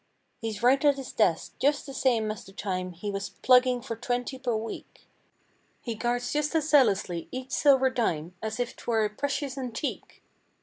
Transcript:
He's right at his desk just the same as the time He was plugging for twenty per week. He guards just as zealously each silver dime As if 'twere a precious antique.